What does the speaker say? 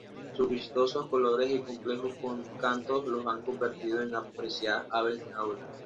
Sus vistosos colores y complejos cantos los han convertido en apreciadas aves de jaula.